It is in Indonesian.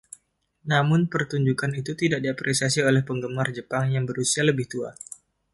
Namun, pertunjukan itu tidak diapresiasi oleh penggemar Jepang yang berusia lebih tua.